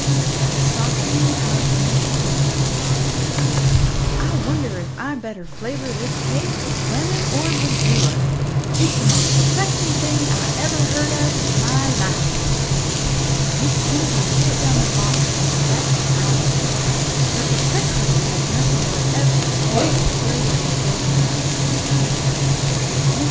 The Softening of Miss CynthiaToC "I wonder if I'd better flavour this cake with lemon or vanilla. It's the most perplexing thing I ever heard of in my life." Miss Cynthia put down the bottles with a vexed frown; her perplexity had nothing whatever to do with flavouring the golden mixture in her cake bowl. Mrs.